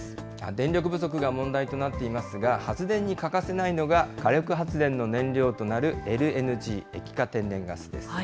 電力不足が問題となっていますが、発電に欠かせないのが、火力発電の燃料となるＬＮＧ・液化天然ガスです。